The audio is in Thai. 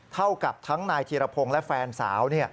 เท่ากับทั้งนายธีรพงศ์และแฟนสาว